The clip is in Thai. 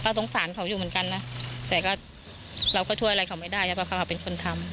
สงสารเขาอยู่เหมือนกันนะแต่ก็เราก็ช่วยอะไรเขาไม่ได้แล้วก็เขาเป็นคนทำ